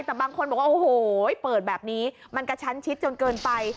แต่บางคนบอกว่าโอ้โหเปิดแบบนี้มันกระชั้นชิดจนเกินไป